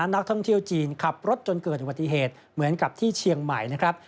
นักท่องเที่ยวจีนขับรถจนเกิดอุบัติเหตุเหมือนกับที่เชียงใหม่นะครับ